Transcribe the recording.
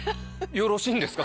よろしいんですか？